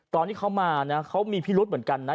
ตอนที่เขามานะเขามีพิรุธเหมือนกันนะ